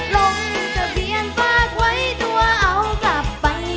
ลงทะเบียนฝากไว้ตัวเอากลับไป